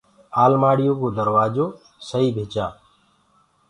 المآڙي يو ڪو دروآجو سئي ڀِچآ۔